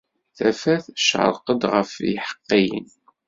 Tafat tecreq-d ɣef yiḥeqqiyen.